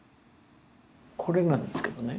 これなんですけどね。